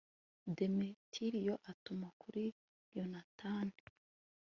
demetiriyo atuma kuri yonatani